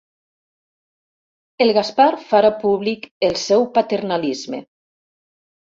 El Gaspar farà públic el seu paternalisme.